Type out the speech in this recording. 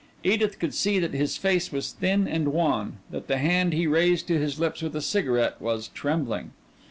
Edith could see that his face was thin and wan that the hand he raised to his lips with a cigarette, was trembling.